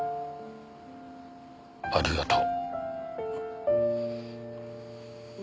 ありがとう。